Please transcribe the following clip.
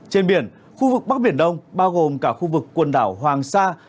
trên biển khu vực bắc biển đông bao gồm cả khu vực quần đảo hoàng sa